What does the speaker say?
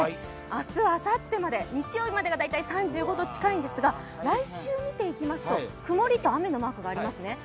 明日、あさってまで、日曜日までが大体３５度近いんですが、来週見ていきますと、曇りと雨のマークがありますね。